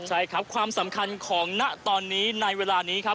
ใช่ครับความสำคัญของณตอนนี้ในเวลานี้ครับ